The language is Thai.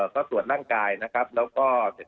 แจ้วทัณค์ครับแล้วแพทย์